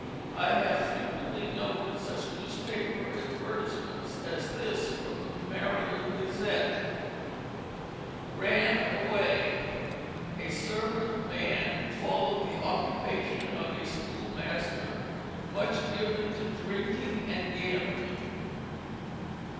I have frequently noted such newspaper advertisements as this from the Maryland Gazette: "Ran away: A Servant man who followed the occupation of a Schoolmaster, much given to drinking and gambling."